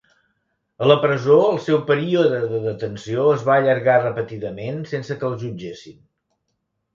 A la presó, el seu període de detenció es va allargar repetidament sense que el jutgessin.